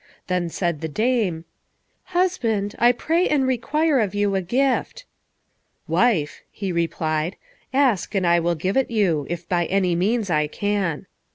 Then said the dame, "Husband, I pray and require of you a gift." "Wife," he replied, "ask, and I will give it you, if by any means I can."